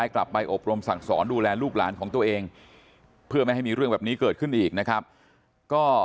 ของตัวเองเพื่อไม่ให้มีเรื่องแบบนี้เกิดขึ้นอีกนะครับก็